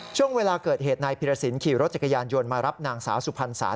ช่วงเวลาเกิดเหตุนายพิรสินขี่รถจักรยานยนต์มารับนางสาวสุพรรณสาร